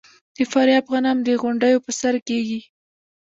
د فاریاب غنم د غونډیو په سر کیږي.